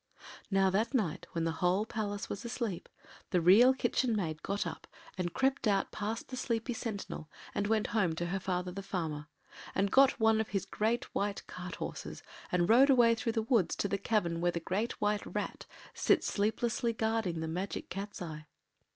Now that night, when the whole palace was asleep, the Real Kitchen Maid got up and crept out past the sleepy sentinel and went home to her father the farmer and got one of his great white cart horses and rode away through the woods to the cavern where the Great White Rat sits sleeplessly guarding the Magic Cat’s eye.